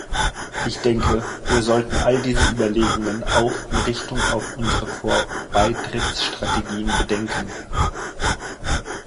Ich denke, wir sollten all diese Überlegungen auch in Richtung auf unsere Vorbeitrittsstrategien bedenken.